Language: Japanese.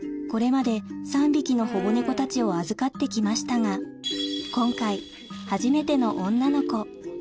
これまで３匹の保護猫たちを預かって来ましたが今回初めての女の子